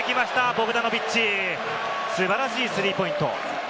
ボグダノビッチ、素晴らしいスリーポイント。